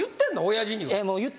親父には。